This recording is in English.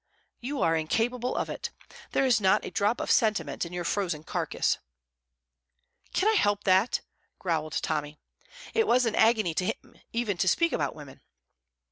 You are incapable of it. There is not a drop of sentiment in your frozen carcass." "Can I help that?" growled Tommy. It was an agony to him even to speak about women.